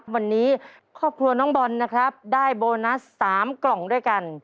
วันนี้ครอบครัวน้องบอลนะครับได้โบนัส๓กล่องด้วยกัน